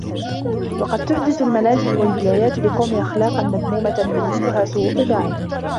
وَقَدْ تُحْدِثُ الْمَنَازِلُ وَالْوِلَايَاتُ لِقَوْمٍ أَخْلَاقًا مَذْمُومَةً يُظْهِرُهَا سُوءُ طِبَاعِهِمْ